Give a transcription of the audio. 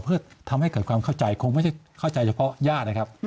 เพื่อทำให้เกิดความเข้าใจคงไม่ใช่เข้าใจเฉพาะญาตินะครับ